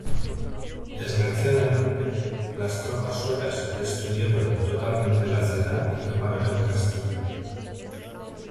Desgraciadamente, las tropas suecas destruyeron totalmente la ciudad y quemaron el castillo.